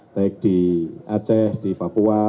baik di aceh di papua